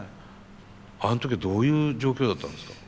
あの時はどういう状況だったんですか？